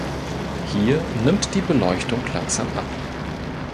Hier nimmt die Beleuchtung langsam ab.